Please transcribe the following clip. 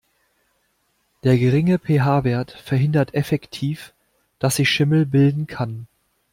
Der geringe PH-Wert verhindert effektiv, dass sich Schimmel bilden kann.